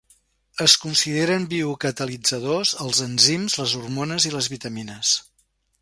Es consideren biocatalitzadors els enzims, les hormones i les vitamines.